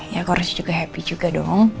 ya korupsi juga happy juga dong